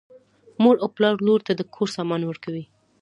مور او پلار لور ته د کور سامان ورکوي.